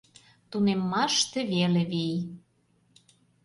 Тунеммаште веле вий.